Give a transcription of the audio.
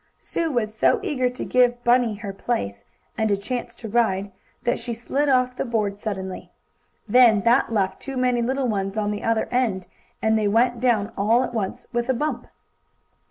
Sue was so eager to give Bunny her place, and a chance to ride, that she slid off the board suddenly. Then that left too many little ones on the other end, and they went down, all at once, with a bump!